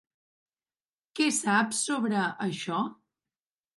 Què saps sobre això?